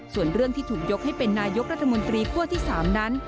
ส่วนเรื่องที่ถูกยกให้เป็นนายกรัฐมนตรีคั่วที่๓นั้น